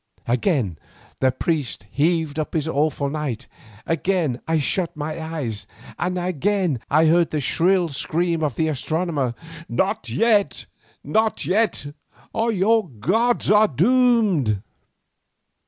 Again the priest heaved up his awful knife, again I shut my eyes, and again I heard the shrill scream of the astronomer, "Not yet, not yet, or your gods are doomed!"